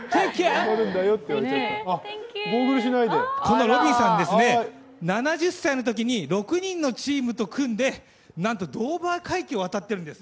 このロビンさん、７０歳のときに６人のチームと組んで、なんとドーバー海峡を渡ってるんです。